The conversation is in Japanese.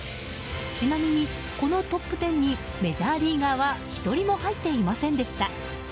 ちなみに、このトップ１０にメジャーリーガーは１人も入っていませんでした。